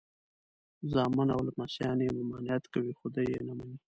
زامن او لمسیان یې ممانعت کوي خو دی یې نه مني.